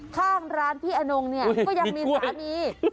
ข้างร้านพี่อนงเนี่ยก็ยังมีสามี